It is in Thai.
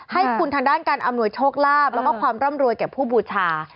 ให้คุณทางด้านการอำนวยโชคลาภแล้วก็ความร่ำรวยแก่ผู้บูชา